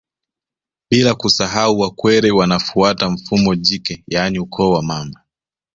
Bila kusahau Wakwere wanafuata mfumo jike yaani ukoo wa mama